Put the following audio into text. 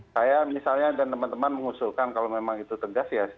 saya misalnya dan teman teman mengusulkan kalau memang itu tegas ya